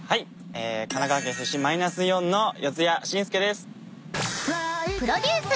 神奈川県出身マイナスイオンの四谷真佑です。